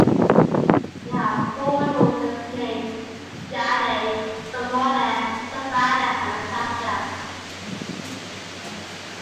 They have four daughters named Shianne, Samone, Savannah, and Sasha.